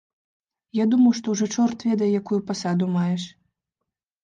Я думаў, што ўжо чорт ведае якую пасаду маеш!